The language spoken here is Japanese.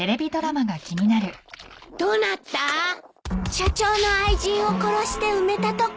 社長の愛人を殺して埋めたとこ。